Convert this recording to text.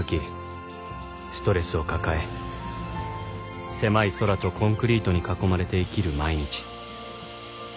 ストレスを抱え狭い空とコンクリートに囲まれて生きる毎日